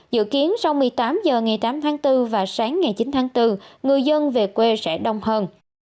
dự kiến sau một mươi tám h ngày tám tháng bốn và sáng ngày chín tháng bốn người dân về quê sẽ đông hơn